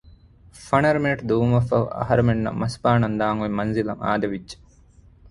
ފަނަރަ މިނެޓު ދުއްވުމަށްފަހު އަހަރެމެންނަށް މަސްބާނަން ދާން އޮތް މަންޒިލަށް އާދެވިއްޖެ